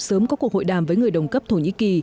sớm có cuộc hội đàm với người đồng cấp thổ nhĩ kỳ